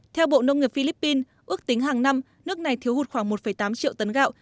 theo bộ nông nghiệp philippines ước tính hàng năm nước này thiếu hụt khoảng một tám triệu tấn gạo